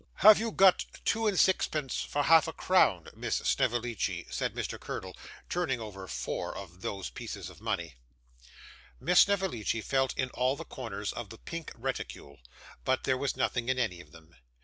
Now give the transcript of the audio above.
Have you got two and sixpence for half a crown, Miss Snevellicci?' said Mr. Curdle, turning over four of those pieces of money. Miss Snevellicci felt in all the corners of the pink reticule, but there was nothing in any of them.